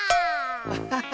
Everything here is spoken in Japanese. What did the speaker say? アッハハ！